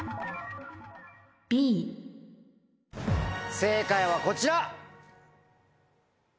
正解はこちら！